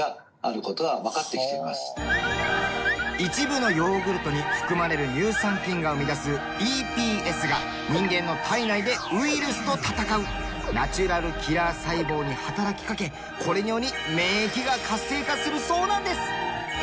一部のヨーグルトに含まれる乳酸菌が生み出すＥＰＳが人間の体内でウイルスと戦うナチュラルキラー細胞に働きかけこれにより免疫が活性化するそうなんです！